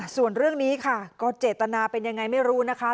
ส่วนเรื่องนี้ค่ะก็เจตนาเป็นยังไงไม่รู้นะคะ